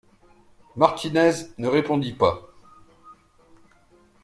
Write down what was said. Martinez ne répondit pas.